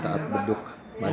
sementara menunggu bubur matang